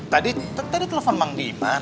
tadi tadi telfon mang diman